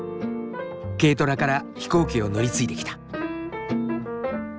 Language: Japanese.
軽トラから飛行機を乗り継いできた。